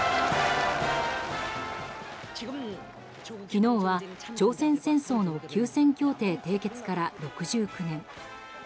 昨日は朝鮮戦争の休戦協定締結から６９年。